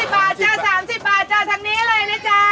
๓๐บาทเจ้า๓๐บาทเจ้าทั้งนี้เลยนะจ้า